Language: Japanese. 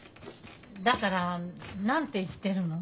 だから何て言ってるの？